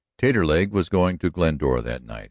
Taterleg was going to Glendora that night.